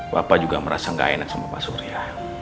bapak juga merasa gak enak sama pak surya